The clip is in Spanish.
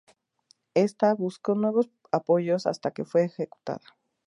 Ésta buscó nuevos apoyos hasta que fue ejecutada.